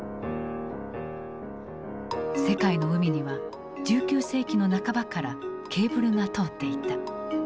世界の海には１９世紀の半ばからケーブルが通っていた。